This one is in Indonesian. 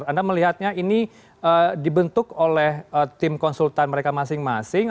anda melihatnya ini dibentuk oleh tim konsultan mereka masing masing